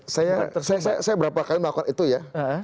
saya berapa kali melakukan itu ya